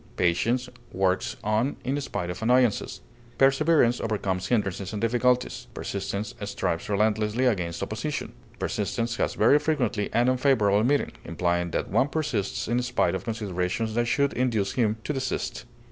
Patience works on in spite of annoyances; perseverance overcomes hindrances and difficulties; persistence strives relentlessly against opposition; persistence has very frequently an unfavorable meaning, implying that one persists in spite of considerations that should induce him to desist.